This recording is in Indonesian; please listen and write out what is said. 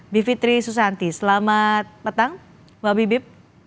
bivitri susanti selamat petang mbak bibip